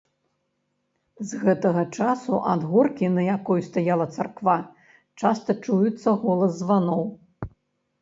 З гэтага часу ад горкі, на якой стаяла царква, часта чуецца голас званоў.